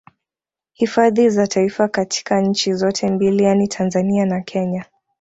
Hifadhi za Taifa katika nchi zote mbili yani Tanzania na Kenya